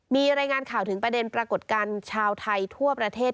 มีรายงานข่าวถึงประเด็นปรากฏการณ์ชาวไทยทั่วประเทศ